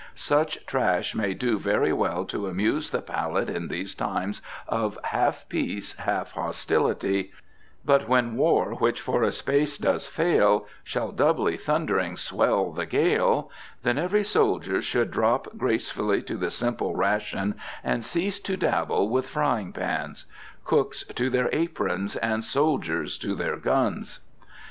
Such trash may do very well to amuse the palate in these times of half peace, half hostility; but when "war, which for a space does fail, Shall doubly thundering swell the gale," then every soldier should drop gracefully to the simple ration, and cease to dabble with frying pans. Cooks to their aprons, and soldiers to their guns!